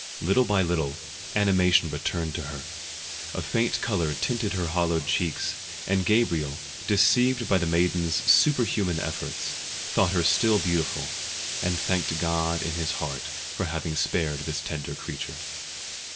Little by little animation returned to her; a faint colour tinted her hollowed cheeks, and Gabriel, deceived by the maiden's super human efforts, thought her still beautiful, and thanked God in his heart for having spared this tender creature.